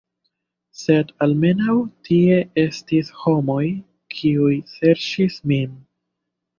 Sed almenaŭ tie estis homoj, kiuj serĉis min.